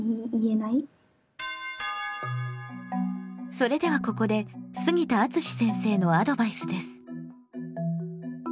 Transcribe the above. それではここで杉田敦先生のアドバイスです。